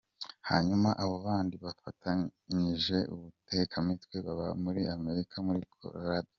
Hanyuma abo bandi bafatanyije ubutekamitwe baba muri Amerika muri Colorado.